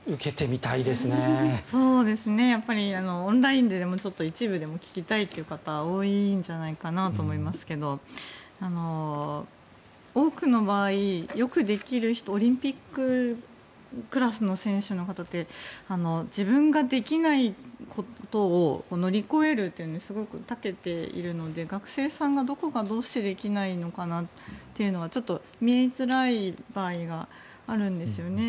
オンラインででもちょっと一部でも聞きたいという方は多いんじゃないかなと思いますが多くの場合、よくできる人オリンピッククラスの選手の方って自分ができないことを乗り越えるというのにすごくたけているので学生さんがどこがどうしてできないのかなっていうのがちょっと見えづらい場合があるんですよね。